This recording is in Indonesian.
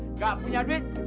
nggak punya duit